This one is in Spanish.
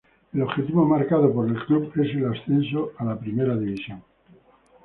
El objetivo marcado por el club es el ascenso a Primera División.